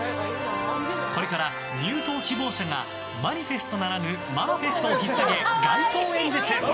これから入党希望者がマニフェストならぬママフェストを引っさげ街頭演説。